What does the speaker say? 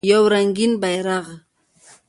یو رنګین بیرغ